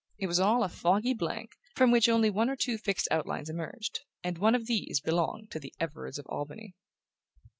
It was all a foggy blank, from which only one or two fixed outlines emerged; and one of these belonged to the Everards of Albany.